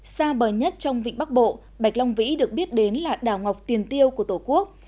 xa bờ nhất trong vịnh bắc bộ bạch long vĩ được biết đến là đảo ngọc tiền tiêu của tổ quốc